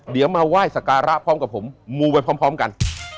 เดี๋ยวมาไหว้สการะพร้อมกับผมมูไปพร้อมกัน